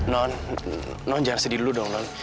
non non jangan sedih dulu dong non